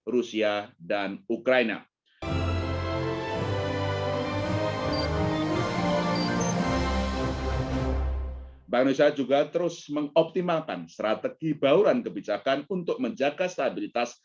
rusia dan ukraina juga terus mengoptimalkan strategi bauran kebijakan untuk menjaga stabilitas